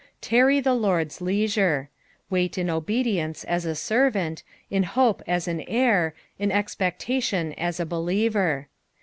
Tarry the Lord's leisure. Wait in obedience as a servant, in hope as an heir, in expectation as a believer.